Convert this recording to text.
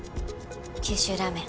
九州ラーメン。